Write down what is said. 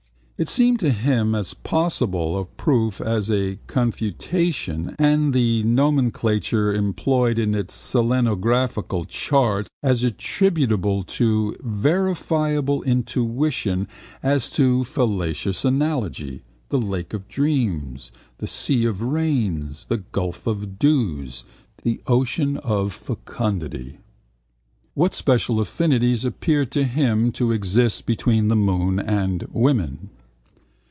It seemed to him as possible of proof as of confutation and the nomenclature employed in its selenographical charts as attributable to verifiable intuition as to fallacious analogy: the lake of dreams, the sea of rains, the gulf of dews, the ocean of fecundity. What special affinities appeared to him to exist between the moon and woman?